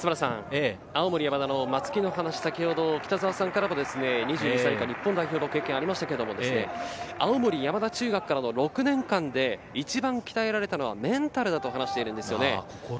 青森山田の松木の話、先ほど北澤さんからも２２歳以下日本代表の経験がありましたけれど、青森山田中学からの６年間で一番鍛えられたのはメンタルだと話しているんです。